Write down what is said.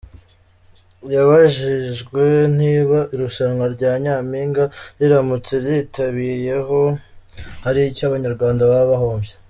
Yabajijwe niba irushanwa rya Nyampinga riramutse ritabayeho hari iccyo abanyarwanda baba bahombye.